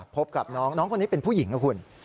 พบกับน้องน้องคนนี้เป็นผู้หญิงนะคุณ